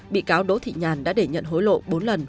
bị cáo đỗ thị nhàn đã để nhận hối lộ bốn lần